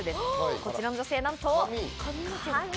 こちらの女性なんと。